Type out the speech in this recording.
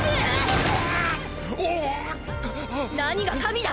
何が神だ！！